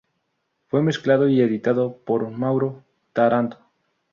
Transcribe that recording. Fue mezclado y editado por Mauro Taranto.